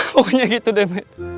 pokoknya gitu deh men